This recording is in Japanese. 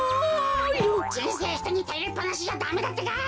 じんせいひとにたよりっぱなしじゃダメだってか！